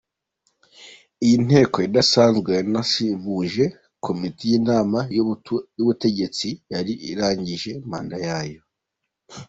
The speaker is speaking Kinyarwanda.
Iyi nteko idasanzwe yanasimbuje komite y’inama y’ubutegetsi yari irangije manda yayo.